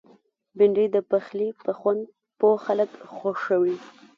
بېنډۍ د پخلي په خوند پوه خلک خوښوي